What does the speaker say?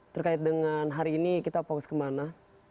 terkait dengan hari ini kita fokus kemana